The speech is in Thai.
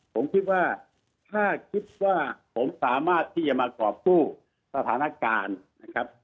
ผมคิดว่าถ้าคิดว่าผมสามารถที่จะมากรอบคู่สถานการณ์นะครับ